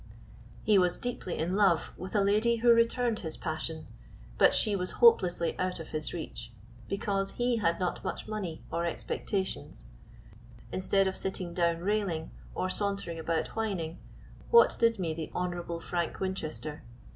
He was deeply in love with a lady who returned his passion, but she was hopelessly out of his reach, because he had not much money or expectations; instead of sitting down railing, or sauntering about whining, what did me the Honorable Frank Winchester?